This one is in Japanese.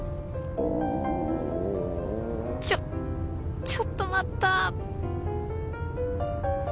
ちょちょっと待った